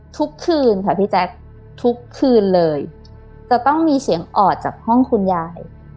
ทุกคืนค่ะพี่แจ๊คทุกคืนเลยจะต้องมีเสียงออดจากห้องคุณยาย